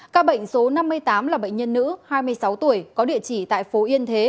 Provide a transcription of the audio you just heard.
các bệnh số năm mươi tám là bệnh nhân nữ hai mươi sáu tuổi có địa chỉ tại phố yên thế